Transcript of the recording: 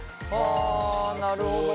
あなるほど。